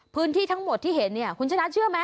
พื้นที่ทั้งหมดที่เห็นเนี่ยคุณชนะเชื่อไหม